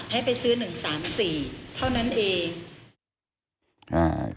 ให้ไปซื้อ๑๓๔เท่านั้นเอง